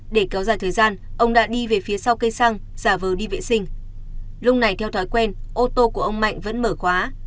để kéo dài thời gian ông đã đi về phía sau cây xăng giả vờ đi vệ sinh lúc này theo thói quen ô tô của ông mạnh vẫn mở khóa